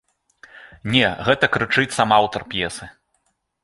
Не, гэта крычыць сам аўтар п'есы.